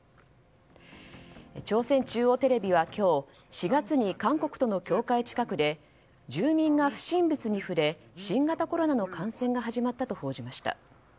朝鮮中央テレビは今日４月に韓国との境界近くで住民が不審物に触れ新型コロナの感染が始まったと報じました。